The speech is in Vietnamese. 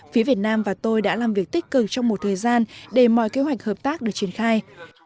phía việt nam và tôi đã làm việc tích cực trong một thời gian để mọi kế hoạch hợp tác được triển khai